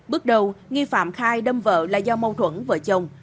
bước đầu nghi phạm khai đâm vợ là do mâu thuẫn vợ chồng